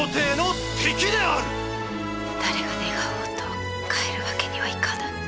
誰が願おうと帰るわけにはいかぬ。